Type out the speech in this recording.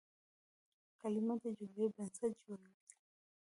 کلیمه د جملې بنسټ جوړوي.